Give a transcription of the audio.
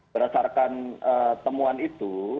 berdasarkan temuan itu